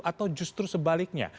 atau justru sebaliknya